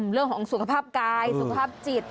เรื่องของสุขภาพกายสุขภาพจิต